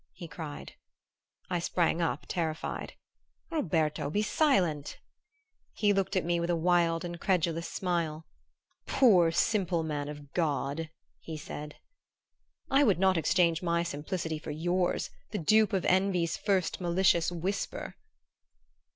he cried. I sprang up terrified. "Roberto, be silent!" He looked at me with a wild incredulous smile. "Poor simple man of God!" he said. "I would not exchange my simplicity for yours the dupe of envy's first malicious whisper!"